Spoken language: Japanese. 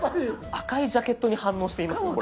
赤いジャケットに反応していますねこれ。